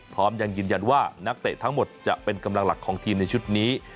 พร้อมยังยืนยันว่านักเตะทั้งหมดจะเป็นกำลังหลักของทีมในชุดนี้